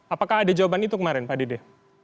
apakah ada jawaban itu kemarin pak dede